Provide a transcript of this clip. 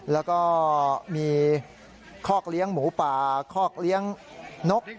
แล้วก็มีคอกเลี้ยงหมูป่าคอกเลี้ยงนก